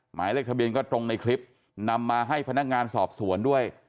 หมายเลขทะเบียนก็ตรงในคลิปนำมาให้พนักงานสอบสวนด้วย